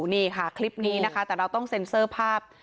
นี่ค่ะคลิปนี้นะคะแต่เราต้องเซ็นเซอร์ภาพ